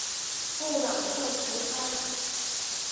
布朗克福塞。